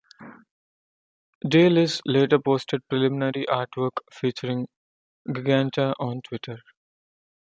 De Liz later posted preliminary artwork featuring Giganta on Twitter.